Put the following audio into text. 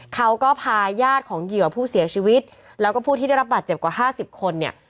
เขาก็พาญาติของเหยื่อผู้เสียชีวิตแล้วก็ผู้ที่ได้รับบาดเจ็บกว่า๕๐คนเนี่ย